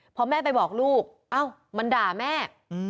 พอแม่ไปบอกลูกเอ้ามันด่าแม่